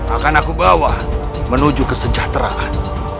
aku akan membawa kamu ke keamanan